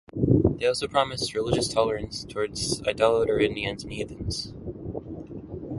They also promised religious tolerance towards idolater Indians and heathens.